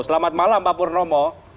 selamat malam pak purnomo